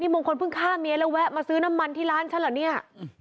มงคลเพิ่งฆ่าเมียแล้วแวะมาซื้อน้ำมันที่ร้านฉันเหรอเนี่ย